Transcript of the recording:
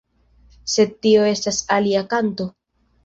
Sed tio estas alia kanto.